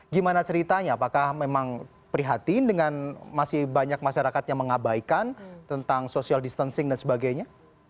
gimana ceritanya apakah memang prihatin dengan masih banyak masyarakat yang mengabaikan tentang social distancing dan sebagainya